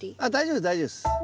あっ大丈夫大丈夫です。